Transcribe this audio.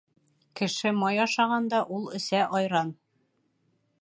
Кеше май ашағанда, ул эсә айран.